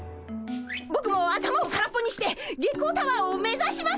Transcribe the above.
ぼくも頭を空っぽにして月光タワーを目指します！